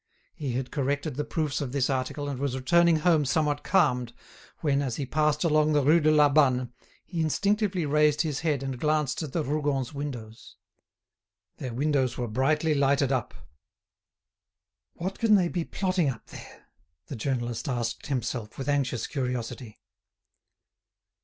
He had corrected the proofs of this article, and was returning home somewhat calmed, when, as he passed along the Rue de la Banne, he instinctively raised his head and glanced at the Rougons' windows. Their windows were brightly lighted up. "What can they be plotting up there?" the journalist asked himself, with anxious curiosity.